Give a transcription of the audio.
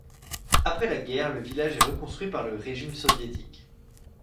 Après la guerre le village est reconstruit par le régime soviétique.